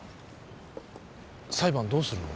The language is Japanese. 裁判どうするの？